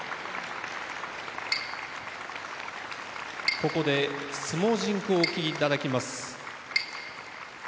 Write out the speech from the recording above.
ここで相撲甚句をお聴き頂きます。